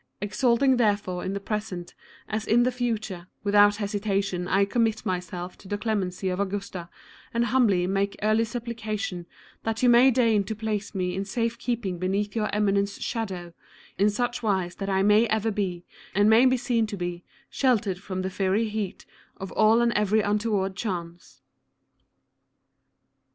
Exulting therefore in the present as in the future, witnout hesitation I commit myself to the clemency of Augusta, and humbly make early supplication that you may deign to place me in safe keeping beneath your Eminence's shadow, in such wise that I may ever be, and may be seen to be, sheltered from the fiery heat of all and every untoward chance.